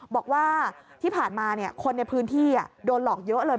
บอกว่าที่ผ่านมาคนในพื้นที่โดนหลอกเยอะเลย